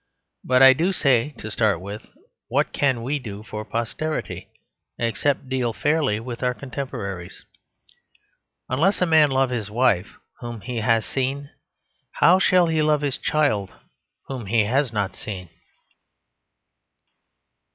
But I do say, to start with, "What can we do for posterity, except deal fairly with our contemporaries?" Unless a man love his wife whom he has seen, how shall he love his child whom he has not seen?